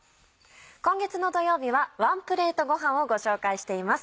今月の土曜日はワンプレートごはんをご紹介しています。